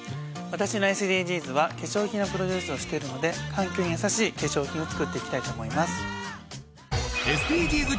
私のＳＤＧｓは化粧品のプロデュースをしているので環境にやさしい化粧品をつくっていきたいと思います